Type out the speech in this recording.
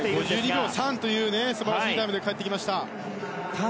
５２秒３という素晴らしいタイムで帰ってきました。